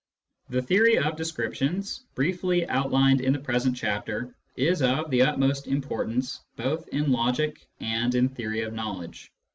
The theory of descriptions, briefly outlined in the present chapter, is of the utmost importance both in logic and in theory of knowledge.